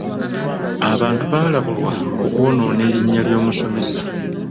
Abantu baalabulwa ku kwonoona erinnya ly'omusomesa.